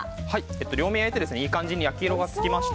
両面焼いていい感じに焼き色がつきました。